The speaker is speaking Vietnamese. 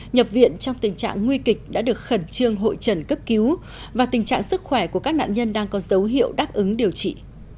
nhập viện trong tình trạng nguy kịch đã được khẩn trương hội trần cấp cứu và tình trạng sức khỏe của các nạn nhân đang có dấu hiệu đáp ứng điều trị